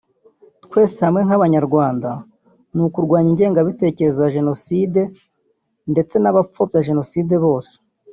“Twese hamwe nk’Abanyarwanda ni ukurwanya ingengabitekerezo ya Jenoside ndetse n’abapfobya Jenoside bose